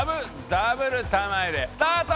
ダブル玉入れスタート！